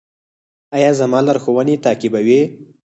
ایا زما لارښوونې تعقیبوئ؟